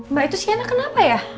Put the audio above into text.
mbak itu siana kenapa ya